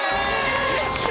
よっしゃ！